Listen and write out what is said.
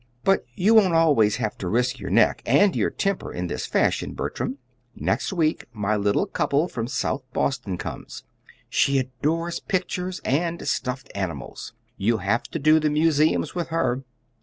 But you won't always have to risk your neck and your temper in this fashion, Bertram. Next week my little couple from South Boston comes. She adores pictures and stuffed animals. You'll have to do the museums with her.